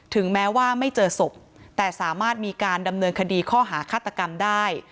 แม้ว่าไม่เจอศพแต่สามารถมีการดำเนินคดีข้อหาฆาตกรรมได้